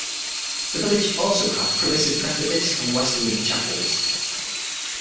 The village also had Primitive Methodist and Wesleyan chapels.